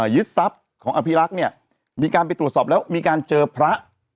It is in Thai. ยึดทรัพย์ของอภิรักษ์เนี่ยมีการไปตรวจสอบแล้วมีการเจอพระ